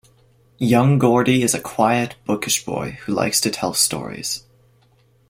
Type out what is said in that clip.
Young Gordie is a quiet, bookish boy who likes to tell stories.